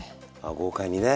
豪快にね！